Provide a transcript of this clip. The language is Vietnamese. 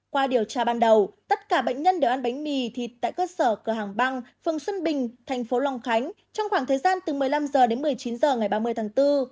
qua điều tra ban đầu tất cả bệnh nhân đều ăn bánh mì thịt tại cơ sở cửa hàng băng phường xuân bình thành phố long khánh trong khoảng thời gian từ một mươi năm h đến một mươi chín h ngày ba mươi tháng bốn